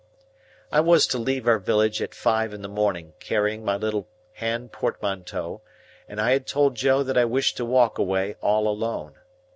I was to leave our village at five in the morning, carrying my little hand portmanteau, and I had told Joe that I wished to walk away all alone.